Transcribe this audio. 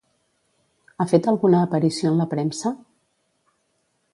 Ha fet alguna aparició en la premsa?